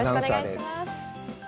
よろしくお願いします。